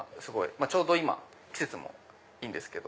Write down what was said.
ちょうど今季節もいいんですけど。